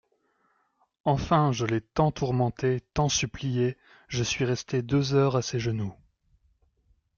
Enfin je l'ai tant tourmenté, tant supplié, je suis restée deux heures à ses genoux.